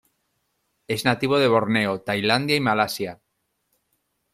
Es nativo de Borneo, Tailandia y Malasia.